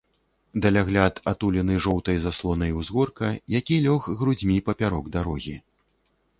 Далягляд атулены жоўтай заслонай узгорка, які лёг грудзьмі папярок дарогі.